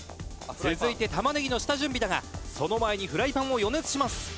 「続いて玉ねぎの下準備だがその前にフライパンを予熱します」